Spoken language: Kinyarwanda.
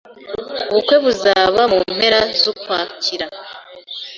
Ubukwe buzaba mu mpera z'Ukwakira